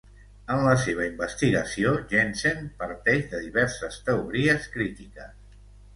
En la seva investigació, Jensen parteix de diverses teories crítiques.